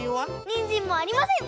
にんじんもありません！